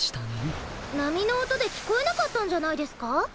なみのおとできこえなかったんじゃないですか？